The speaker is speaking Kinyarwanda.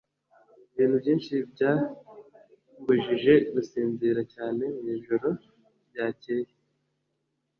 Ibintu byinshi byambujije gusinzira cyane mwijoro ryakeye.